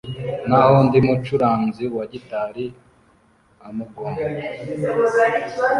naho undi mucuranzi wa gitari amugongo.